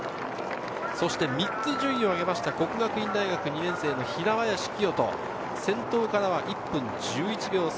３つ順位を上げた國學院大學２年生の平林清澄、先頭からは１分１１秒差。